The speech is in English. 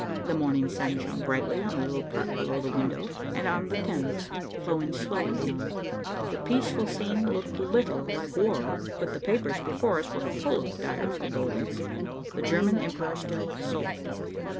The morning sun shone brightly on the little park below the window and on the Thames, flowing slowly beyond. The peaceful scene looked little like war, but the papers before us were full of dire forebodings. The German Emperor still sulked.